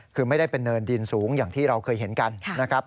คือไม่ได้เป็นเนินดินสูงอย่างที่เราเคยเห็นกันนะครับ